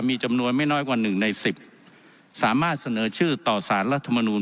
มีจำนวนไม่น้อยกว่า๑ใน๑๐สามารถเสนอชื่อต่อสารรัฐมนูล